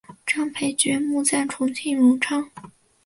张培爵墓在重庆荣昌。